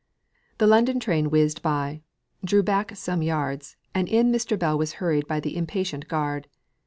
The London train whizzed by, drew back some yards, and in Mr. Bell was hurried by the impatient guard.